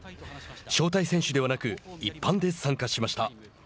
招待選手ではなく一般で参加しました。